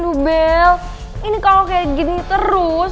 nubel ini kalo kayak gini terus